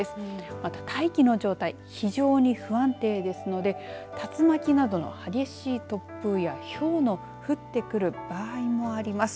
また、大気の状態非常に不安定ですので竜巻などの激しい突風やひょうの降ってくる場合もあります。